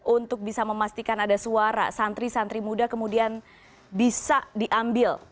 untuk bisa memastikan ada suara santri santri muda kemudian bisa diambil